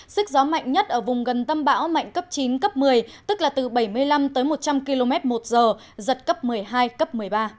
sức gió mạnh nhất ở vùng gần tâm bão mạnh cấp chín cấp một mươi tức là từ bảy mươi năm tới một trăm linh km một giờ giật cấp một mươi hai cấp một mươi ba